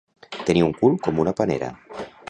Tenir un cul com una panera.